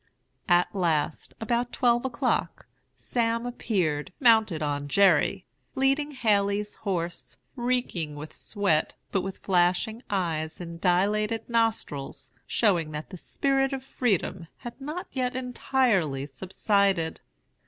"At last, about twelve o'clock, Sam appeared, mounted on Jerry, leading Haley's horse, reeking with sweat, but with flashing eyes and dilated nostrils, showing that the spirit of freedom had not yet entirely subsided.